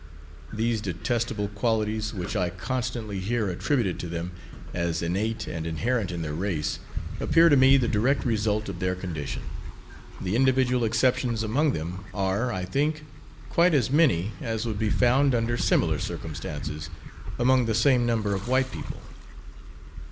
These detestable qualities, which I constantly hear attributed to them as innate and inherent in their race, appear to me the direct result of their condition. The individual exceptions among them are, I think, quite as many as would be found under similar circumstances, among the same number of white people.